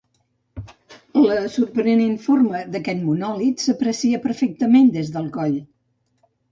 La sorprenent forma d'aquest monòlit s'aprecia perfectament des del coll.